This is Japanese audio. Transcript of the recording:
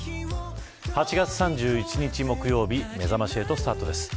８月３１日木曜日めざまし８スタートです。